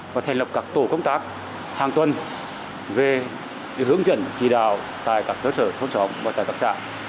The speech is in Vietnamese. và thành lập các tổ công tác hàng tuần về hướng dẫn chỉ đạo tại các cơ sở thôn xóm và tại các xã